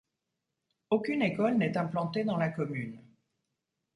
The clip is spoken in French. Aucune école n'est implantée dans la commune.